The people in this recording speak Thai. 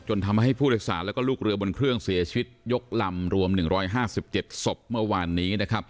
ทำให้ผู้โดยสารและลูกเรือบนเครื่องเสียชีวิตยกลำรวม๑๕๗ศพเมื่อวานนี้